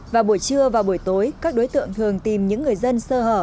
vào buổi trưa và buổi tối các đối tượng thường tìm những người dân sơ hở